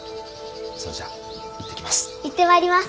それじゃ行ってきます。